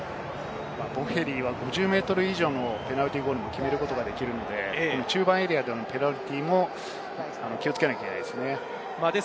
ボフェリは５０ｍ以上のペナルティーゴールも決めることができるので中盤エリアでのペナルティーも気をつけなければいけないですね。